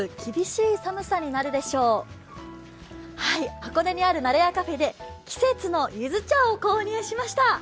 箱根にあるナラヤカフェで季節の柚子茶を購入しました。